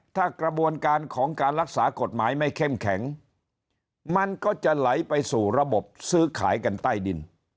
ถ้ากระบวนการของการรักษากฎหมายไม่เข้มแข็งมันก็จะไหลไปสู่ระบบซื้อขายกันใต้ดิน